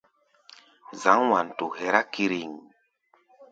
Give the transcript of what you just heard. Zǎŋ Wanto hɛra kíríŋ.